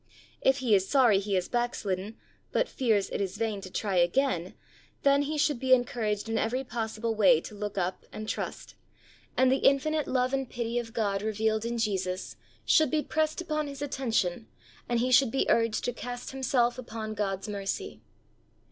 If he is sorry he has backslidden, but fears it is vain to try again, then he should be encouraged in every possible way to look up and trust, and the infinite love and pity of God revealed in Jesus should be pressed upon his attention, and he should be urged to cast himself upon God's mercy.